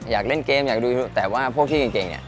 อยากเล่นเกมอยากดูแต่ว่าพวกที่เก่งเนี่ย